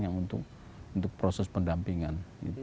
yang untuk proses pendampingan